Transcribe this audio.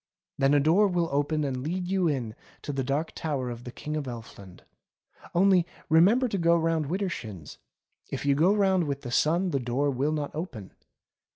Then a door will open and let you in to the Dark Tower of the King of Elfland. Only remember to go round wider shins. If you go round with the sun the door will not open.